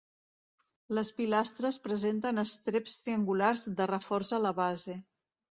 Les pilastres presenten estreps triangulars de reforç a la base.